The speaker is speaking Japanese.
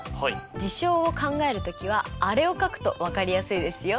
事象を考えるときはあれを書くと分かりやすいですよ。